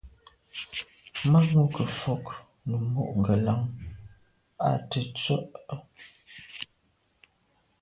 Manwù ke mfôg num mo’ ngelan à tèttswe’.